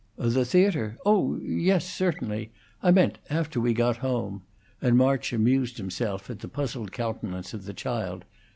"The theatre? Oh yes, certainly! I meant after we got home," and March amused himself at the puzzled countenance of the child.